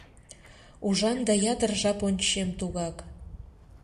Ужам да ятыр жап ончем тугак.